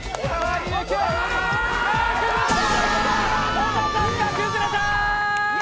小田さんが崩れた。